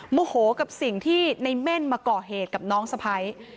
โมโหกับสิ่งที่ในเม่นมาก่อเหตุกับน้องสะพ้าย